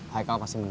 haikal pasti menang